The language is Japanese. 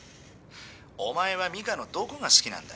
お前はミカのどこが好きなんだ？